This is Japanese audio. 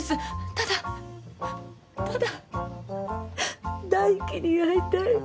ただただ大樹に会いたい。